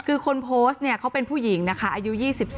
คือคนโพสต์เขาเป็นผู้หญิงอายุ๒๔ค่ะ